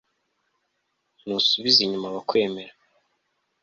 ntusubiza inyuma abakwemera